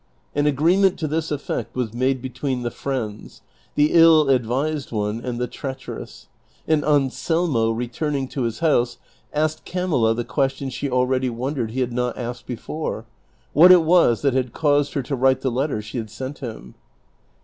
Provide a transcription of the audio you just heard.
An agreement to this effect was made between the friends, the ill advised one and the treaciierous, and An selmo returning to his house asked Camilla the question she already wondered he had not asked before — what it was that had caused her to write the letter she had sent him.